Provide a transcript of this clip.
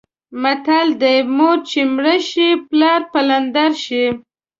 متل دی: مور چې میره شي پلار پلندر شي.